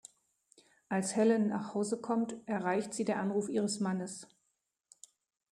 Als Helen nach Hause kommt, erreicht sie der Anruf ihres Mannes.